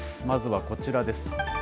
まずはこちらです。